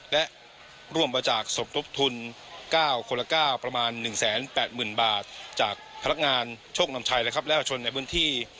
และร่วมมาจากสรบทบทุน๙คนละ๙ประมาณ๑๘๐๐๐๐บาทจากพลักงานโชคนำชัยนะครับและประชุมในบื้นที่